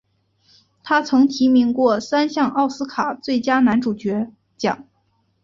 他曾提名过三项奥斯卡最佳男主角奖。